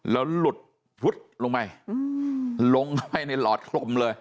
แล้วหลุดพุดลงไปลงเข้าไปในหลอดกลมเลย